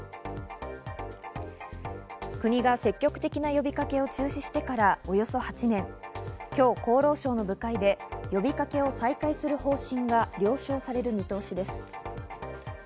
国が積極的な呼びかけを中止してからおよそ８年、今日厚労省の部会で呼びかけを再開する方針が了承される見通しです。